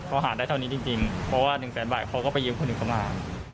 เขาหาได้เท่านี้จริงเพราะว่า๑แสนบาทเขาก็ไปยืมคนอื่นเข้ามา